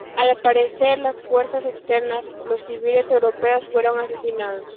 Al parecer, las fuerzas externas, los civiles europeos fueron asesinados.